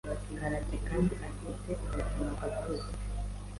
karate kandi afite ubuzima gatozi